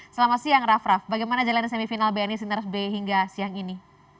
selamat siang rav rav bagaimana jalan semifinal bni sinaras b hingga siang ini